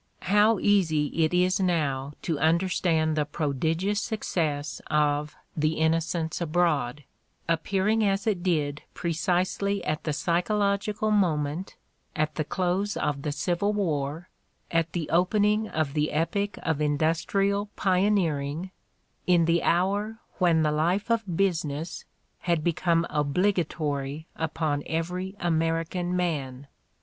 How easy it is now to understand the prodigious suc cess of "The Innocents Abroad," appearing as it did precisely at the psychological moment, at the close of the Civil "War, at the opening of the epoch of industrial pioneering, in the hour when the life of business had become obligatory upon every American man!